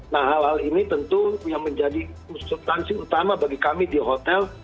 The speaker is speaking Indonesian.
nah hal hal ini tentu yang menjadi subtansi utama bagi kami di hotel